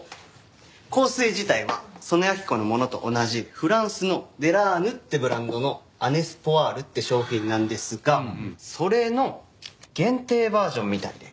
香水自体は曽根明子のものと同じフランスのデラーヌってブランドのアネスポワールって商品なんですがそれの限定バージョンみたいで。